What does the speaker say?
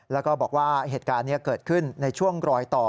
แล้วก็บอกว่าเหตุการณ์นี้เกิดขึ้นในช่วงรอยต่อ